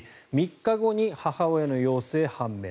３日後に母親の陽性が判明